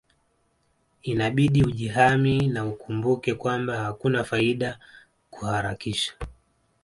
Inabidi ujihami na ukumbuke kwamba hakuna faida kuharakisha